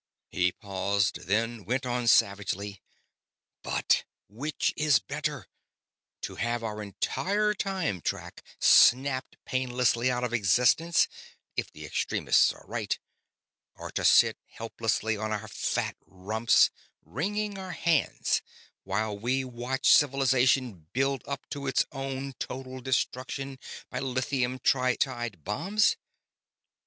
"_ _He paused, then went on savagely: "But which is better, to have our entire time track snapped painlessly out of existence if the extremists are right or to sit helplessly on our fat rumps wringing our hands while we watch civilization build up to its own total destruction by lithium tritiide bombs?